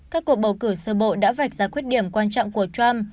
các cuộc bầu cử sơ bộ đã vạch ra khuyết điểm quan trọng của trump